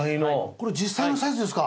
これ実際のサイズですか？